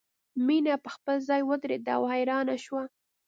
مینه په خپل ځای ودریده او حیرانه شوه